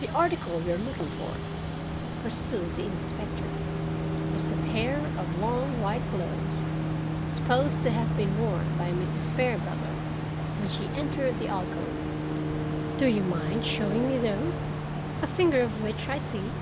"The article we are looking for," pursued the inspector, "is a pair of long, white gloves, supposed to have been worn by Mrs. Fairbrother when she entered the alcove. Do you mind showing me those, a finger of which I see?"